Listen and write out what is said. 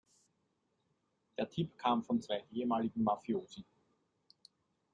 Der Tipp kam von zwei ehemaligen Mafiosi.